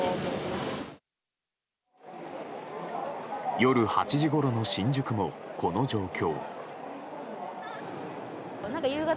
夜８時ごろの新宿も、この状況。